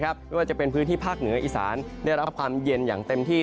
ไม่ว่าจะเป็นพื้นที่ภาคเหนืออีสานได้รับความเย็นอย่างเต็มที่